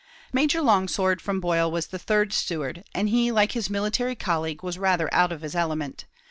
Major Longsword from Boyle was the third steward, and he, like his military colleague, was rather out of his element.